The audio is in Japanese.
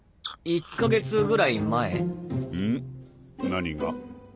何が？